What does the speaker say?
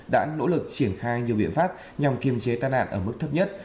đã nỗ lực triển khai nhiều biện pháp nhằm kiềm chế tai nạn ở mức thấp nhất